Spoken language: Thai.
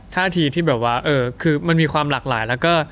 ท่าทีที่แบบว่าคือมันมีความหลากหลายแล้วก็